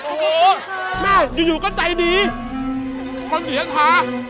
โอ้โฮแม่อยู่ก็ใจดีขอเสียค่ะ